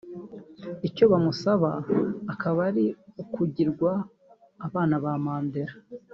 Icyo bamusaba akaba ari ukugirwa abana ba Mandela